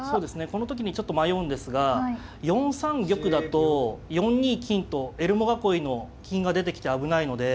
この時にちょっと迷うんですが４三玉だと４二金とエルモ囲いの金が出てきて危ないので。